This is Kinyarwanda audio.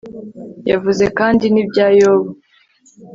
yavuze kandi n'ibya yobu